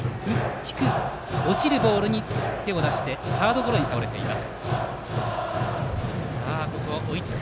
低く落ちるボールに手を出してサードゴロに倒れています。